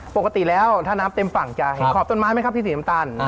ปกติแล้วถ้าน้ำเต็มฝั่งจะเห็นขอบต้นไม้ไหมครับที่สีน้ำตาล